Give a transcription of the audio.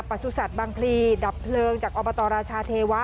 สุสัตว์บางพลีดับเพลิงจากอบตราชาเทวะ